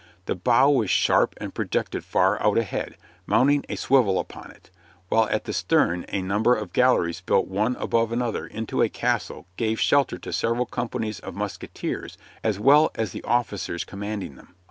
The bow was sharp and projected far out ahead, mounting a swivel upon it, while at the stern a number of galleries built one above another into a castle gave shelter to several companies of musketeers as well as the officers commanding them.